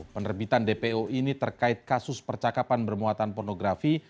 penerbitan dpo ini terkait kasus percakapan bermuatan pornografi